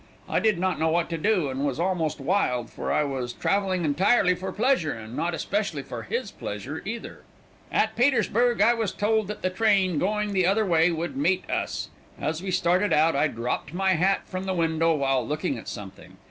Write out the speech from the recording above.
I did not know what to do, and was almost wild, for I was traveling entirely for pleasure, and not especially for his pleasure either. "At Petersburg I was told that the train going the other way would meet us. As we started out, I dropped my hat from the window while looking at something.